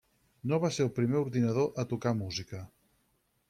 No va ser el primer ordinador a tocar música.